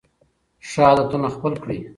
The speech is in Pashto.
ښه عادتونه خپل کړئ.